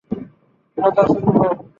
মজা শুরু হোক।